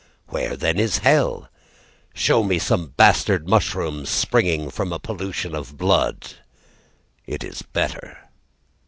Where, then is hell? Show me some bastard mushrooms Sprung from a pollution of blood. It is better.